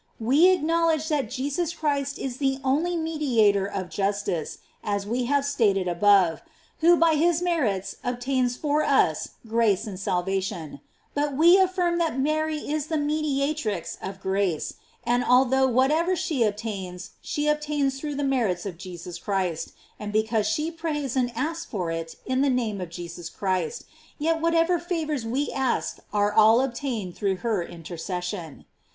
We acknowledge that Jesus Christ is the only me diator of justice, as we have stated above, who by his merits obtains for us grace and salvation; but we affirm that Mary is the mediatrix ^of grace, and although whatever she obtains, she obtains through the merits of Jesus Christ, and because she prays and asks for it in the name of Jesus Christ, yet whatever favors we ask are all obtained through her intercession.